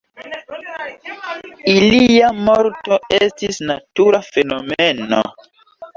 Ilia morto estis natura fenomeno.